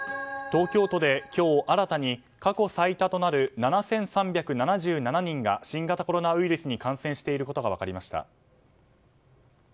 東京都で今日新たに過去最多となる７３７７人が新型コロナウイルスに感染していることが分かりました。